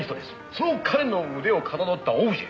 「その彼の腕を型取ったオブジェ」